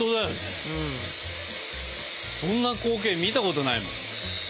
そんな光景見たことないもん。